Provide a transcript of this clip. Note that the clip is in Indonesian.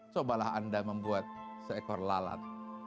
cobalah anda membuat seekor lalat